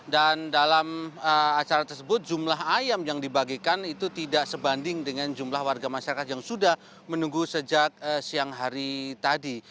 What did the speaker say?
dan dalam acara tersebut jumlah ayam yang dibagikan itu tidak sebanding dengan jumlah warga masyarakat yang sudah menunggu sejak siang hari tadi